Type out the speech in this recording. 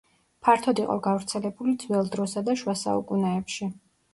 ფართოდ იყო გავრცელებული ძველ დროსა და შუა საუკუნეებში.